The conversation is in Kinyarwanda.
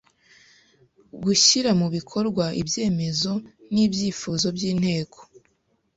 Gushyira mu bikorwa ibyemezo n ibyifuzo by Inteko